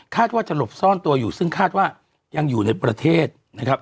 ว่าจะหลบซ่อนตัวอยู่ซึ่งคาดว่ายังอยู่ในประเทศนะครับ